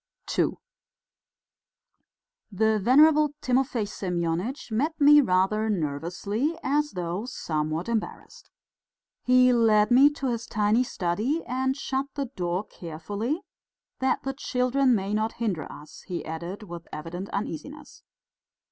II The venerable Timofey Semyonitch met me rather nervously, as though somewhat embarrassed. He led me to his tiny study and shut the door carefully, "that the children may not hinder us," he added with evident uneasiness.